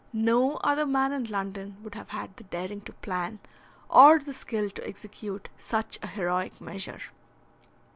No other man in London would have had the daring to plan, or the skill to execute, such a heroic measure.